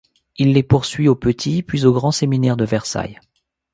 Il les poursuit au petit puis au grand séminaire de Versailles.